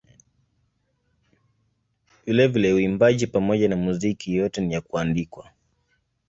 Vilevile uimbaji pamoja na muziki yote ni ya kuandikwa.